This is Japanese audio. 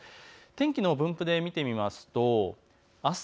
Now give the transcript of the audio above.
天気の分布で見てみます。